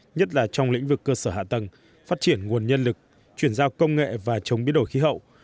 nhất là trong lĩnh vực cơ sở hạ tầng phát triển nguồn nhân lực chuyển giao công nghệ và chống biến đổi khí hậu